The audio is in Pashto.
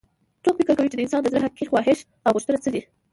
څوک فکر کوي چې د انسان د زړه حقیقي خواهش او غوښتنه څه ده